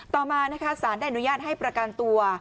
ต่อมานะคะสารได้อนุญาตให้ประกันตัว